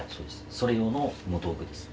それ用の道具です。